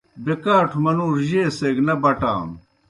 بکاٹوْ منُوڙوْ جیئے سے گہ نہ بٹانوْ۔